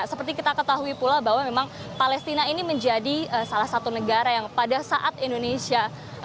seperti kita ketahui pula bahwa memang palestina ini menjadi salah satu negara yang pada saat indonesia